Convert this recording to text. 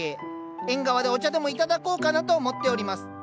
縁側でお茶でも頂こうかなと思っております。